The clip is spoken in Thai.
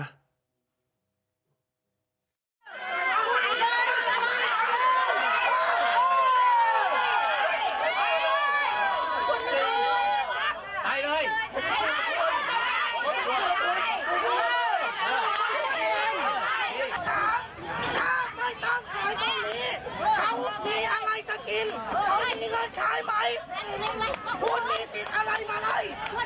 ช่างไม่ต้องขายตอนนี้เขามีอะไรจะกินเขามีเงินใช้ไหม